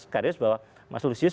kak darius bahwa mas lusius